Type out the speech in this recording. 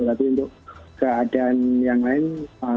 tapi untuk keadaan yang lain mudah mudahan bisa